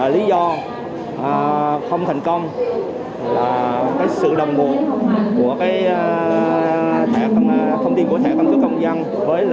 lý do không thành công là sự đồng bộ của thẻ căn cước công dân với thông tin của bảo hiểm sở